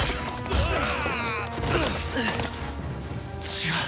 違う。